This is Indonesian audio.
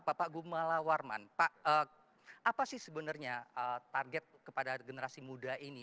bapak gumala warman pak apa sih sebenarnya target kepada generasi muda ini